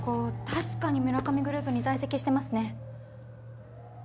確かにムラカミグループに在籍してますね